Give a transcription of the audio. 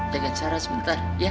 jaga sarah sebentar ya